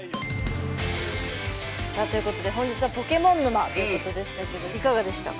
さあということで本日は「ポケモン沼」ということでしたけどいかがでしたか？